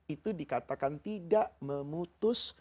itu dikatakan tidak memutus